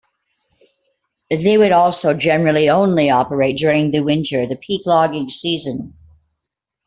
They would also generally only operate during the winter, the peak logging season.